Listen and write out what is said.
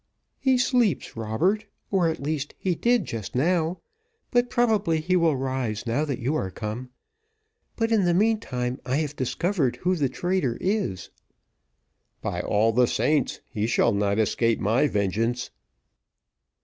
"He sleeps, Robert, or, at least, he did just now, but probably he will rise now that you are come. But in the meantime, I have discovered who the traitor is." "By all the saints, he shall not escape my vengeance!"